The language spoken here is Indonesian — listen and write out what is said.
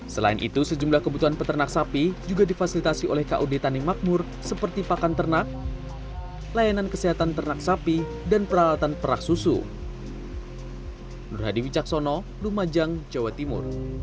selain itu sejumlah kebutuhan peternak sapi juga difasilitasi oleh kod tani makmur seperti pakan ternak layanan kesehatan ternak sapi dan peralatan perak susu